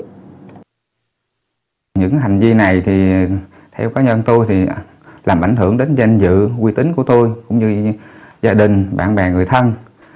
cái gì này thì theo cá nhân tôi thì làm ảnh hưởng đến danh dự uy tín của tôi cũng như gia đình bạn bè người thân